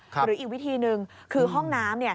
หรืออีกวิธีหนึ่งคือห้องน้ำเนี่ย